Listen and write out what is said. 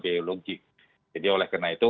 biologik jadi oleh karena itu